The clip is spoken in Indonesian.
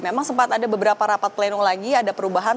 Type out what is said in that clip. memang sempat ada beberapa rapat pleno lagi ada perubahan